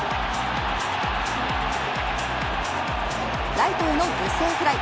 ライトへの犠牲フライ。